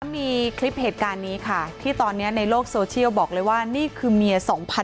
มีคลิปเหตุการณ์นี้ค่ะที่ตอนนี้ในโลกโซเชียลบอกเลยว่านี่คือเมีย๒๐๐